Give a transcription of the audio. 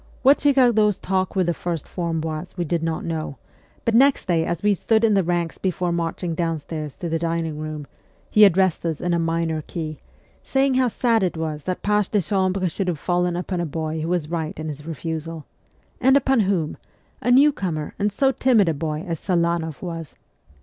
What Girardot's talk with the first form was we did not know ; but next day, as we stood in the ranks before marching downstairs to the dining room, he THE CORPS OF PAGES 93 addressed us in a minor key, saying how sad it was that pages de chambre should have fallen upon a boy who was right in his refusal. And upon whom ? A new comer, and so timid a boy as Selanoff was